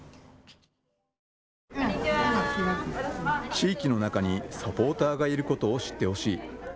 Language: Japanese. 地域の中にサポーターがいることを知ってほしい。